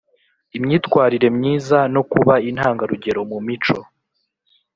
Imyitwarire myiza no kuba intangarugero mu mico